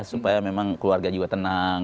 supaya memang keluarga juga tenang